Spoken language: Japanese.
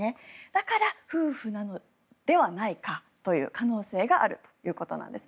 だから夫婦なのではないかという可能性があるということなんです。